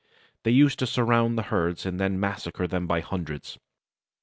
They used to surround the herds and then massacre them by hundreds.